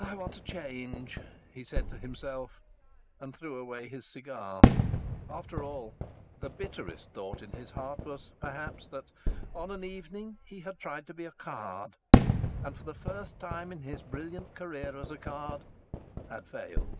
"I want a change!" he said to himself, and threw away his cigar. After all, the bitterest thought in his heart was, perhaps, that, on that evening he had tried to be a "card," and, for the first time in his brilliant career as a "card," had failed.